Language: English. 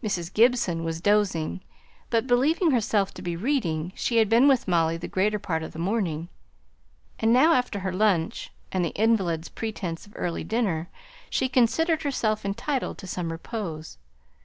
Mrs. Gibson was dozing, but believing herself to be reading; she had been with Molly the greater part of the morning, and now after her lunch, and the invalid's pretence of early dinner, she considered herself entitled to some repose.